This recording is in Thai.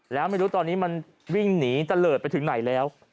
แล้วไม่รู้ตอนนี้มันวิ่งหนีตะเลิศไปถึงไหนแล้ว